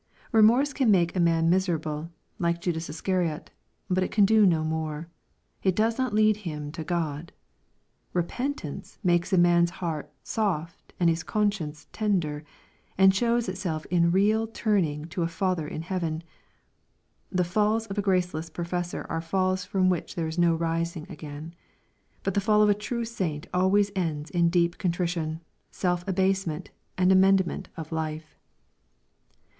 Eemorse can make a man mis erable, like Judas Iscariot, but it can do no more. It does not lead him to God. — Eepentance makes a man's heart soft and his conscience tender, and shows itself in real turning to a Father in heaven. The falls of a graceless professor are falls from which there is no rising again. But the fall of ^ true saint always ends in deep contrition, self abasement, and amendment of life.